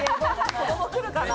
子供来るかな？